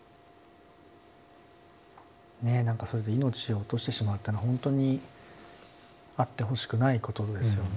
ねっ何かそれで命を落としてしまったのは本当にあってほしくないことですよね。